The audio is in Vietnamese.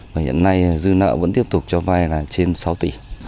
và hiện nay dư nợ vẫn tiếp tục cho vay là trên sáu tỷ